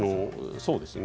そうですね。